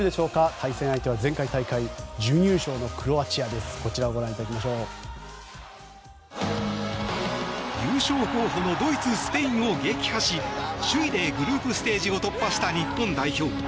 対戦相手は前回大会準優勝のクロアチアです優勝候補のドイツ、スペインを撃破し首位でグループステージを突破した、日本代表。